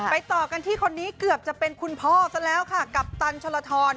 ต่อกันที่คนนี้เกือบจะเป็นคุณพ่อซะแล้วค่ะกัปตันชลทร